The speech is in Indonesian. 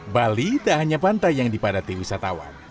bali tak hanya pantai yang dipadati wisatawan